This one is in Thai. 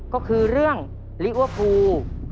ก็คือเรื่องลิอัวภู